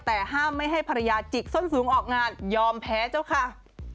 แต่ห้ามไม่ให้ภรรยาจิกส้นสูงออกงานยอมแพ้เจ้าค่ะ